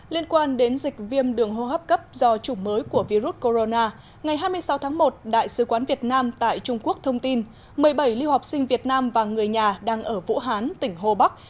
liên quan đến dịch viêm đường hô hấp cấp do chủng mới của virus corona ngày hai mươi sáu tháng một đại sứ quán việt nam tại trung quốc thông tin một mươi bảy lưu học sinh việt nam và người nhà đang ở vũ hán tỉnh hồ bắc